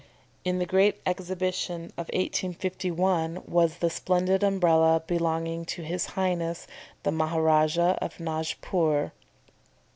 In the Great Exhibition of 1851 was the splendid Umbrella belonging to his Highness the Maharajah of Najpoor.